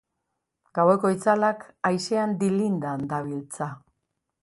Gaueko itzalak haizean dilindan dabiltza.